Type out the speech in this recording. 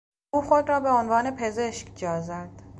او خود را به عنوان پزشک جازد.